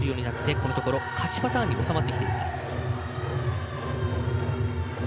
このところ勝ちパターンに収まっています。